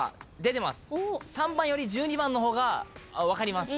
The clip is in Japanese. ３番より１２番の方が分かります。